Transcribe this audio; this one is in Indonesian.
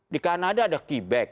di kanada ada quebec